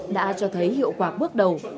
đã cho thấy hiệu quả bước đầu